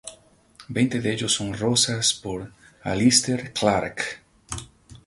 Veinte de ellos son rosas por Alister Clark.